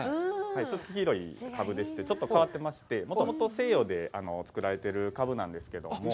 ちょっと黄色いカブでして、ちょっとかわってまして、もともと西洋で作られてるカブなんですけれども。